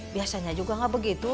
biasanya juga gak begitu